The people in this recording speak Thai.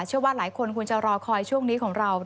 เชื่อว่าหลายคนควรจะรอคอยช่วงนี้ของเรา